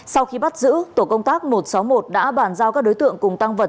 sau khi bắt giữ tổ công tác một trăm sáu mươi một đã bàn giao các đối tượng cùng tăng vật